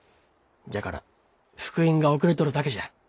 じゃから復員が遅れとるだけじゃ。